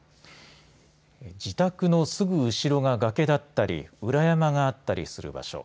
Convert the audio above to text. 自宅のすぐ後ろが崖だったり裏山があったりする場所。